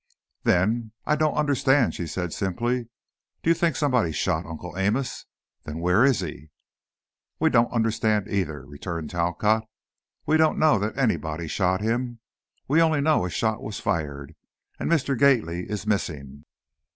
Then, "I don't understand," she said, simply. "Do you think somebody shot Uncle Amos? Then where is he?" "We don't understand, either," returned Talcott. "We don't know that anybody shot him. We only know a shot was fired and Mr. Gately is missing."